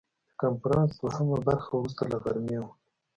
د کنفرانس دوهمه برخه وروسته له غرمې وه.